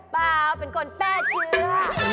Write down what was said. เปล่าเป็นคนแป้เชื้อ